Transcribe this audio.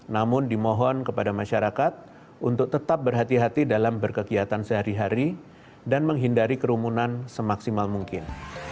namun dimohon kepada masyarakat untuk tetap berhati hati dalam berkegiatan sehari hari dan menghindari kerumunan semaksimal mungkin